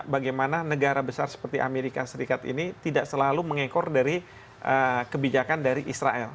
bagaimana negara besar seperti amerika serikat ini tidak selalu mengekor dari kebijakan dari israel